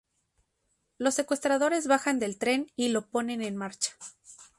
Los secuestradores bajan del tren y lo ponen en marcha.